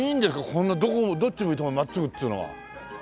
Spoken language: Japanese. こんなどっち向いても真っすぐっつうのは。